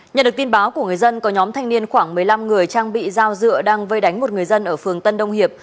nhận được tin báo của người dân có nhóm thanh niên khoảng một mươi năm người trang bị dao dựa đang vây đánh một người dân ở phường tân đông hiệp